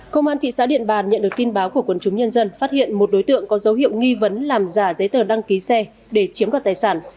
công an thị xã điện bàn nhận được tin báo của quân chúng nhân dân phát hiện một đối tượng có dấu hiệu nghi vấn làm giả giấy tờ đăng ký xe để chiếm đoạt tài sản